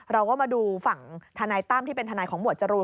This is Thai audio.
เราก็มาดูฝั่งทนายตั้มที่เป็นทนายของหวดจรูน